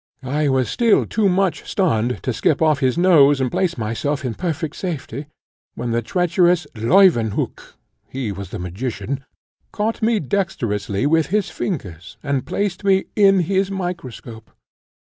"I was still too much stunned to skip off his nose and place myself in perfect safety, when the treacherous Leuwenhock, he was the magician, caught me dexterously with his fingers, and placed me in his microscope.